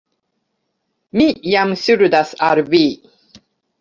Mi jam ŝuldas al vi.